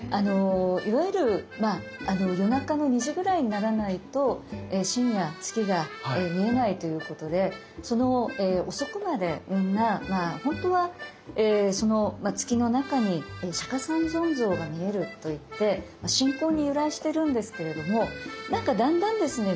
いわゆる夜中の２時ぐらいにならないと深夜月が見えないということで遅くまでみんなほんとはその月の中に釈迦三尊像が見えるといって信仰に由来してるんですけれどもなんかだんだんですね